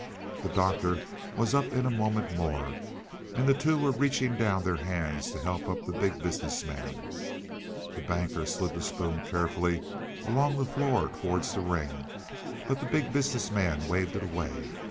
The Doctor was up in a moment more, and the two were reaching down their hands to help up the Big Business Man. The Banker slid the spoon carefully along the floor towards the ring, but the Big Business Man waved it away.